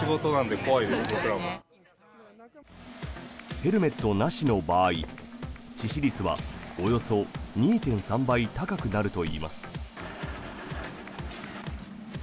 ヘルメットなしの場合致死率はおよそ２．３倍高くなるといいます。